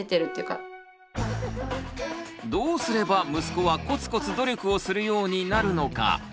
どうすれば息子はコツコツ努力をするようになるのか？